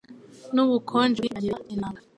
n' ubukonje bwinshi bwangiza intanga,